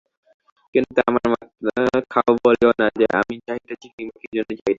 কিন্তু আমার মাথা খাও বলিয়ো না যে, আমি চাহিতেছি কিংবা কী জন্য চাহিতেছি।